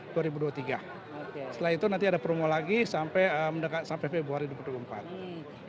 setelah itu nanti ada promo lagi sampai februari dua ribu dua puluh empat